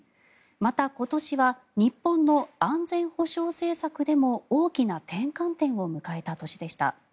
また今年は日本の安全保障政策でも大きな転換点を向かえた年でした。